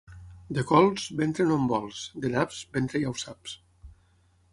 De cols, ventre no en vols; de naps, ventre ja ho saps.